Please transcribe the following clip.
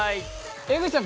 江口さん